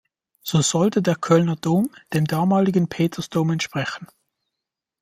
So sollte der Kölner Dom dem damaligen Petersdom entsprechen.